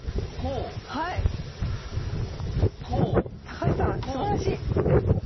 高橋さんすばらしい！